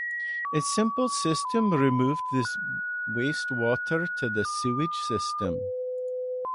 A simple system removed the waste water to the sewage system.